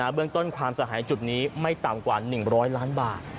เบื้องต้นความเสียหายจุดนี้ไม่ต่ำกว่า๑๐๐ล้านบาท